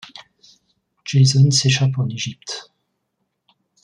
Jason s’échappe en Égypte.